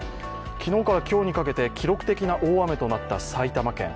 昨日から今日にかけて記録的な大雨になった埼玉県。